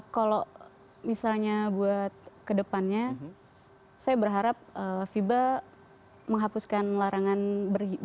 kalau misalnya buat kedepannya saya berharap fiba menghapuskan larangan berhiba